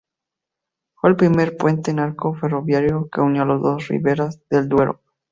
Fue el primer puente en arco ferroviario que unió las dos riberas del Duero.